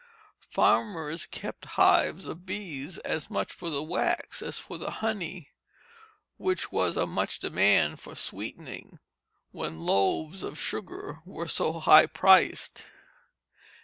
Farmers kept hives of bees as much for the wax as for the honey, which was of much demand for sweetening, when "loaves" of sugar were so high priced.